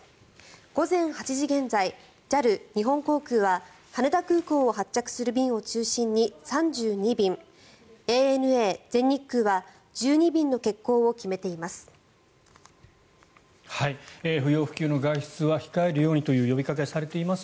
午前８時現在ＪＡＬ・日本航空は羽田空港を発着する便を中心に３２便ＡＮＡ・全日空は１２便の欠航を決めています。